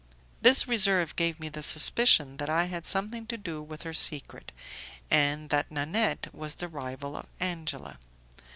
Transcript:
This reserve gave me the suspicion that I had something to do with her secret, and that Nanette was the rival of Angela.